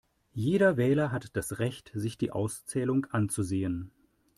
Jeder Wähler hat das Recht, sich die Auszählung anzusehen.